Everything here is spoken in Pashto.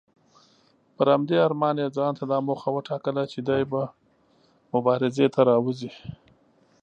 پر همدې ارمان یې ځانته دا موخه وټاکله چې دی به مبارزې ته راوځي.